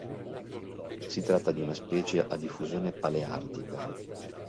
Si tratta di una specie a diffusione paleartica.